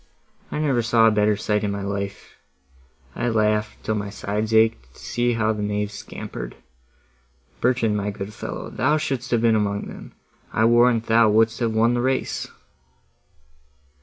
I never saw a better sight in my life; I laughed, till my sides aked, to see how the knaves scampered. Bertrand, my good fellow, thou shouldst have been among them; I warrant thou wouldst have won the race!"